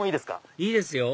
いいですよ